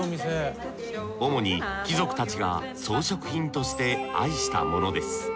主に貴族たちが装飾品として愛したものです。